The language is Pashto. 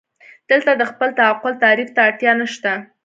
دلته د خپل تعقل تعریف ته اړتیا نشته.